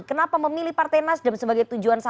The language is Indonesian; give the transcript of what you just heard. kenapa memilih partai nasdem sebagai tujuan satu